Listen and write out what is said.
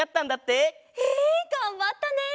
えがんばったね！